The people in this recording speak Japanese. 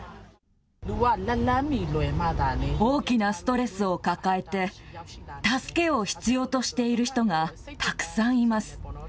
大きなストレスを抱えて、助けを必要としている人がたくさんいます。